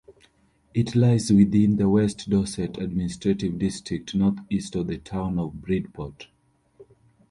It lies within the West Dorset administrative district, north-east of the town of Bridport.